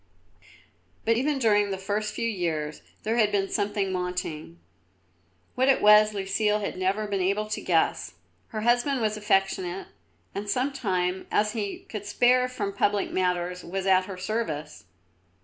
But even during the first few years there had been something wanting. What it was Lucile had never been able to guess. Her husband was affectionate and such time as he could spare from public matters was at her service.